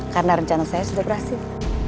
karena rencana saya sudah berhasil